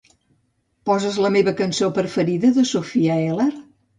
Poses la meva cançó preferida de Sofia Ellar?